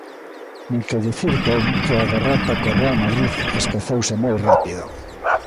Nin que dicir ten que a derrota co Real Madrid esqueceuse moi rápido.